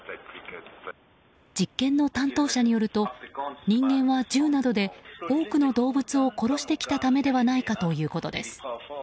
実験の担当者によると人間は銃などで多くの動物を殺してきたためではないかということです。